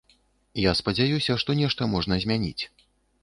Я спадзяюся, што нешта можна змяніць.